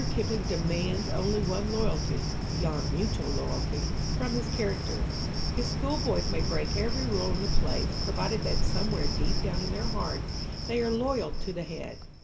Kipling demands only one loyalty (beyond mutual loyalty) from his characters. His schoolboys may break every rule in the place, provided that somewhere deep down in their hearts they are loyal to the "Head."